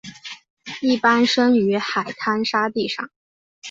一般生于海滩沙地上。